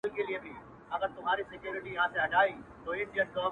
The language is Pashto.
• ته كه له ښاره ځې پرېږدې خپــل كــــــور ـ